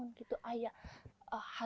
hati itu apa